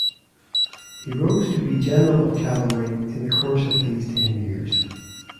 He rose to be general of cavalry in the course of these ten years.